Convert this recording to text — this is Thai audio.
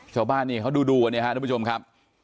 ชาวบ้านเนี่ยเขาดูวันนี้ค่ะทุกผู้ชมครับ